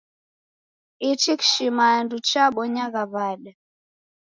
Ichi kishimandu chabonyagha w'ada?